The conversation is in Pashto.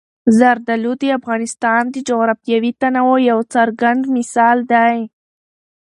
زردالو د افغانستان د جغرافیوي تنوع یو څرګند مثال دی.